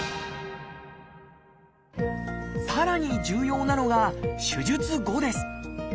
さらに重要なのが手術後です。